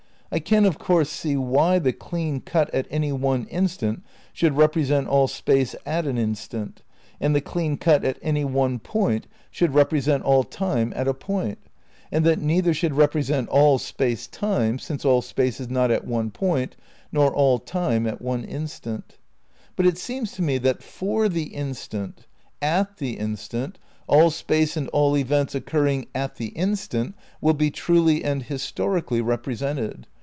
I can of course see why the clean cut at any one instant should represent all Space at an instant, and the clean cut at any one point ^ Space, Time and Deity, Vol. I, p. 81. 172 THE NEW IDEALISM v should represent all Time at a point, and that neither should represent all Space Time, since all Space is not at one point nor all Time at one instant ; but it seems to me that for the instant, at the instant all Space and all events occurring at the instant will be truly and "historically" represented.